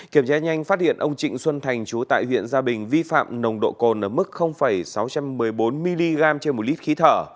kiểm tra nhanh phát hiện ông trịnh xuân thành chú tại huyện gia bình vi phạm nồng độ cồn ở mức sáu trăm một mươi bốn mg trên một lít khí thở